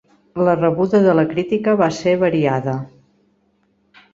La rebuda de la crítica va ser variada.